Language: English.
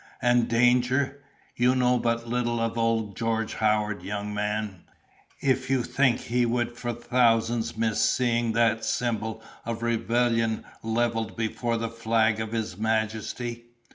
And danger! you know but little of old George Howard, young man, if you think he would for thousands miss seeing that symbol of rebellion levelled before the flag of his majesty."